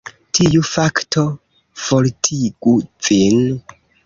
Tiu fakto fortigu vin.